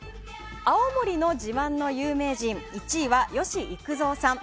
青森の自慢の有名人１位は吉幾三さん。